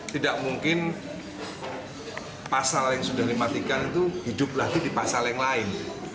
tidak mungkin pasal yang sudah dimatikan itu hidup lagi di pasal yang lain